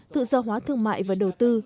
tự do hóa thương mại và đầu tư